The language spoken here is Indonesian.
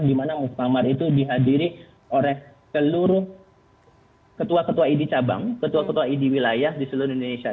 dimana muktamar itu dihadiri oleh seluruh ketua ketua idi cabang ketua ketua id wilayah di seluruh indonesia